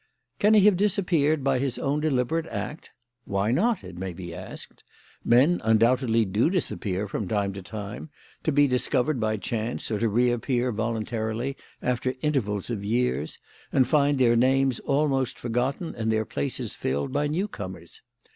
"Can he have disappeared by his own deliberate act? Why not? it may be asked. Men undoubtedly do disappear from time to time, to be discovered by chance or to reappear voluntarily after intervals of years and find their names almost forgotten and their places filled by new comers.